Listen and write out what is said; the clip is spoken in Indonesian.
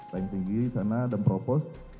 paling tinggi karena ada propos